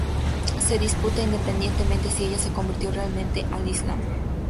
Se disputa independientemente si ella se convirtió realmente al islam.